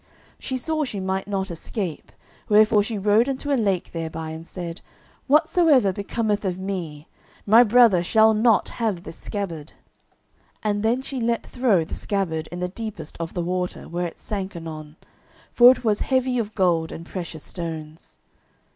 She saw she might not escape, wherefore she rode unto a lake thereby, and said, "Whatsoever becometh of me, my brother shall not have this scabbard." And then she let throw the scabbard in the deepest of the water, where it sank anon, for it was heavy of gold and precious stones.